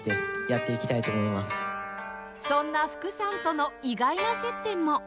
そんな福さんとの意外な接点も